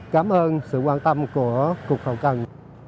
cảm ơn sự quan tâm của cục hậu cần